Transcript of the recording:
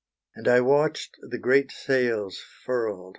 And I watched the great sails furled.